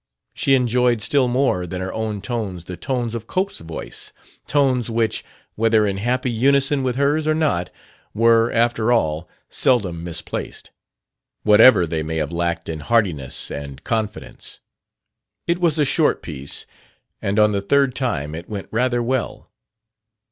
She enjoyed still more than her own tones the tones of Cope's voice, tones which, whether in happy unison with hers or not, were, after all, seldom misplaced, whatever they may have lacked in heartiness and confidence. It was a short piece, and on the third time it went rather well.